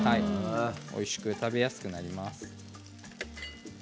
おいしく食べやすくなります。